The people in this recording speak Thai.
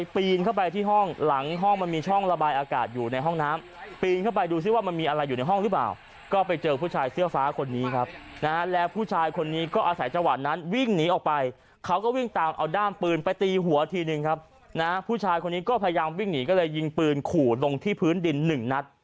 ปีนเข้าไปที่ห้องหลังห้องมันมีช่องระบายอากาศอยู่ในห้องน้ำปีนเข้าไปดูซิว่ามันมีอะไรอยู่ในห้องหรือเปล่าก็ไปเจอผู้ชายเสื้อฟ้าคนนี้ครับนะฮะแล้วผู้ชายคนนี้ก็อาศัยจังหวัดนั้นวิ่งหนีออกไปเขาก็วิ่งตามเอาด้ามปืนไปตีหัวทีนึงครับนะผู้ชายคนนี้ก็พยายามวิ่งหนีก็เลยยิงปืนขู่ลงที่พื้นดินหนึ่งนัด